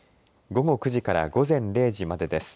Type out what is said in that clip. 午後９時から午前０時までです。